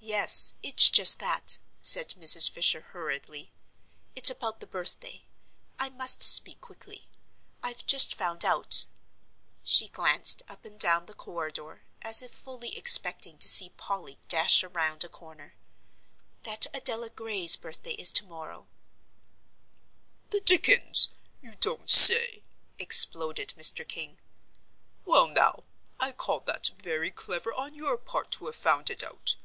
"Yes, it's just that," said Mrs. Fisher, hurriedly; "it's about the birthday I must speak quickly I've just found out, " she glanced up and down the corridor as if fully expecting to see Polly dash around a corner, "that Adela Gray's birthday is to morrow " "The dickens! You don't say so!" exploded Mr. King. "Well, now, I call that very clever on your part to have found it out.